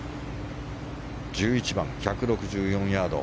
１１番、１６４ヤード。